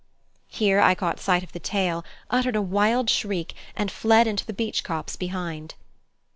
Here I caught sight of the tail, uttered a wild shriek and fled into the beech copse behind.